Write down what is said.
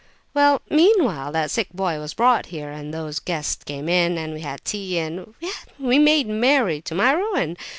"Well, meanwhile that sick boy was brought here, and those guests came in, and we had tea, and—well, we made merry—to my ruin!